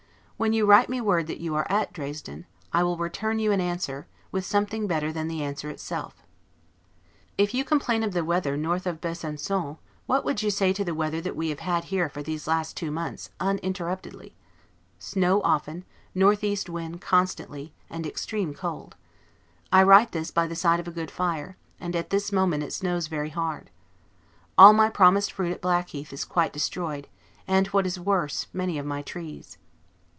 When you write me word that you are at Dresden, I will return you an answer, with something better than the answer itself. If you complain of the weather, north of Besancon, what would you say to the weather that we have had here for these last two months, uninterruptedly? Snow often, northeast wind constantly, and extreme cold. I write this by the side of a good fire; and at this moment it snows very hard. All my promised fruit at Blackheath is quite destroyed; and, what is worse, many of my trees.